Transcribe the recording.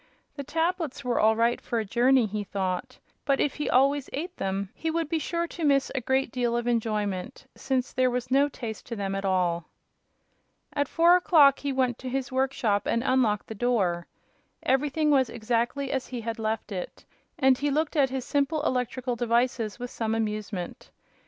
The tablets were all right for a journey, he thought, but if he always ate them he would be sure to miss a great deal of enjoyment, since there was no taste to them at all. At four o'clock he went to his workshop and unlocked the door. Everything was exactly as he had left it, and he looked at his simple electrical devices with some amusement.